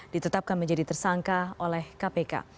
ditetapkan menjadi tersangka oleh kpk